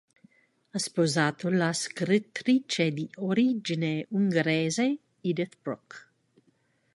Ha sposato la scrittrice di origine ungherese Edith Bruck.